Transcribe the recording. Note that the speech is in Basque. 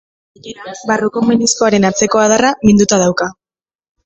Gainera, barruko meniskoaren atzeko adarra minduta dauka.